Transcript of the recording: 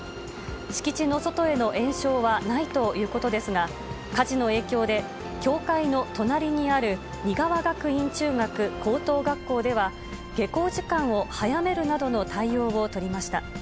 敷地の外への延焼はないということですが、火事の影響で教会の隣にある仁川学院中学・高等学校では、下校時間を早めるなどの対応を取りました。